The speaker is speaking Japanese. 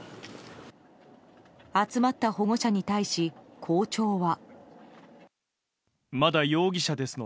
集まった保護者に対し、校長は。